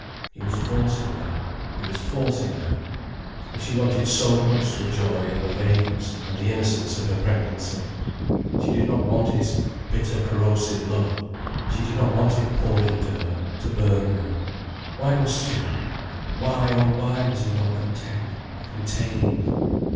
He was forcing her, he was forcing her. And she wanted so much the joy and the vagueness and the innocence of her pregnancy. She did not want his bitter corrosive love, she did not want it poured into her, to burn her. Why must she have it? Why, oh, why was he not content, contained?